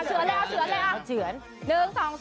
เอาเฉื่อนเลย